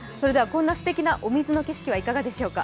こんなすてきなお水の景色はいかがでしょうか。